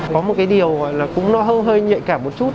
có một cái điều gọi là cũng nó hơi nhạy cảm một chút